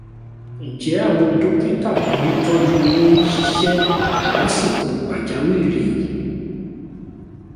Ǹjẹ́ àwọn dókítà tó ń tọ́jú eyín ń ṣisẹ́ lásìkò pàjáwìrì?